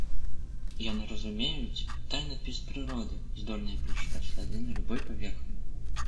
Яны разумеюць тайнапіс прыроды, здольныя прачытаць сляды на любой паверхні.